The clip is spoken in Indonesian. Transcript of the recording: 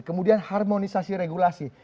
kemudian harmonisasi regulasi